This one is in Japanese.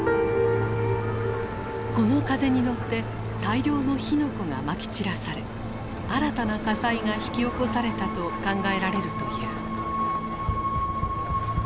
この風に乗って大量の火の粉がまき散らされ新たな火災が引き起こされたと考えられるという。